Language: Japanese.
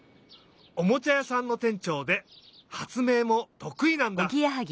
おもちゃやさんのてんちょうではつめいもとくいなんだ！